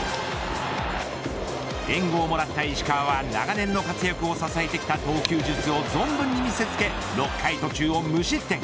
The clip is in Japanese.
援護をもらった石川は長年の活躍を支えてきた投球術を存分に見せつけ６回途中を無失点。